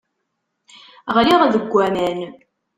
Ɣliɣ deg aman.